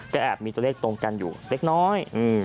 ก็แอบมีตัวเลขตรงกันอยู่เล็กน้อย